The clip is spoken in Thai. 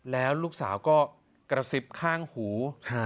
แล้วลูกสาวก็กระซิบข้างหู